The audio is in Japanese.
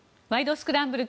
スクランブル」